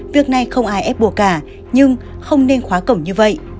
việc này không ai ép buộc cả nhưng không nên khóa cổng như vậy